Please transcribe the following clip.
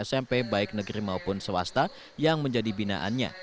smp baik negeri maupun swasta yang menjadi binaannya